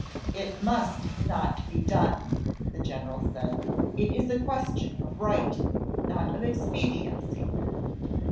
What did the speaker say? "It must not be done!" the general said; "it is a question of right, not of expediency."